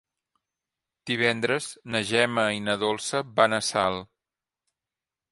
Divendres na Gemma i na Dolça van a Salt.